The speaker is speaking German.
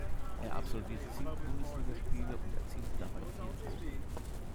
Er absolvierte sieben Bundesliga-Spiele und erzielte dabei vier Tore.